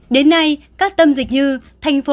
đến nay các tâm dịch như